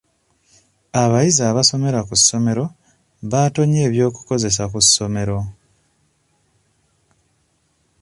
Abayizi abasomera ku ssomero batonye eby'okukozesa ku ssomero.